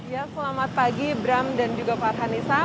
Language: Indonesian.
ya selamat pagi bram dan juga pak anissa